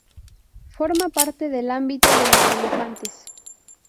Forma parte del ámbito de los elefantes.